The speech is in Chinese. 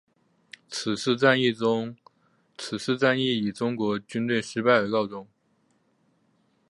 此次战役以中国军队失败而告终。